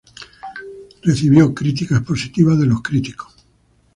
Recibió críticas positivas de los críticos.